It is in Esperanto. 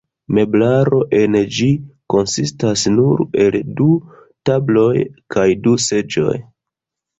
Meblaro en ĝi konsistas nur el du tabloj kaj du seĝoj.